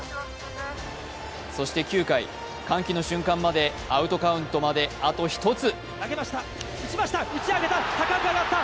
そして９回、歓喜の瞬間までアウトカウントまであと１つ。